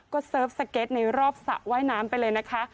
ก็เสิร์ฟสเก็ตในรอบสระว่ายน้ำไปเลยนะคะ